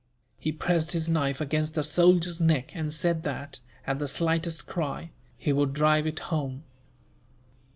He pressed his knife against the soldier's neck and said that, at the slightest cry, he would drive it home.